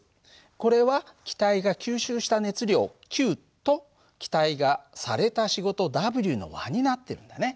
これは気体が吸収した熱量Ｑと気体がされた仕事Ｗの和になってるんだね。